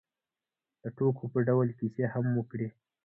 د ټوکو په ډول کیسې هم وکړې.